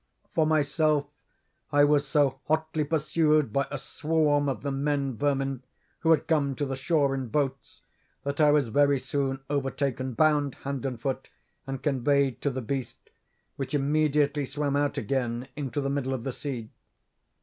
"'For myself, I was so hotly pursued by a swarm of the men vermin (who had come to the shore in boats) that I was very soon overtaken, bound hand and foot, and conveyed to the beast, which immediately swam out again into the middle of the sea.